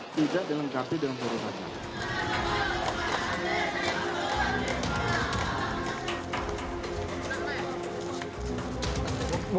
tidak dilengkapi dengan turut tajam